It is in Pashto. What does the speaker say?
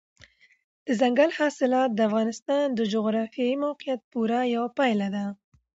دځنګل حاصلات د افغانستان د جغرافیایي موقیعت پوره یوه پایله ده.